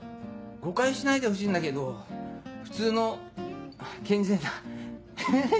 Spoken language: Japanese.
誤解しないでほしいんだけど普通の健全なヘヘヘっ